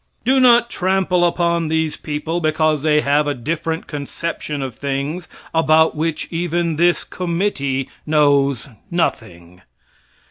Do not trample upon these people because they have different conception of things about which even this committee knows nothing.